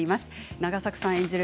永作さん演じる